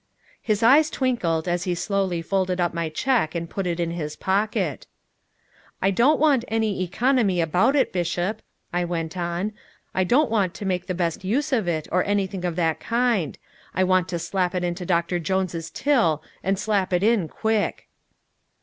His eyes twinkled as he slowly folded up my check and put it in his pocket. "I don't want any economy about it, Bishop," I went on. "I don't want to make the best use of it, or anything of that kind. I want to slap it into Doctor Jones' till, and slap it in quick."